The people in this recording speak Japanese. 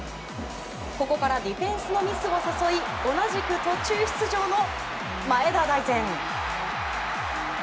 ここからディフェンスのミスを誘い同じく途中出場の前田大然。